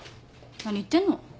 何言ってんの。